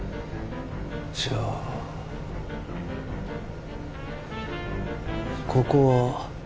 じゃあここは？